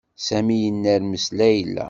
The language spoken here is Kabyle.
Sami yennermes Layla.